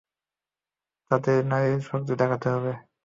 তাদের নারীর শক্তি দেখাতে হবে।